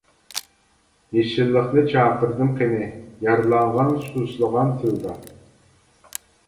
يېشىللىقنى چاقىردىم قېنى، يارىلانغان سۇسلىغان تىلدا.